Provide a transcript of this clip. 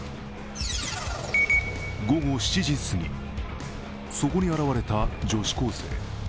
午後７時すぎ、そこに現れた女子高生。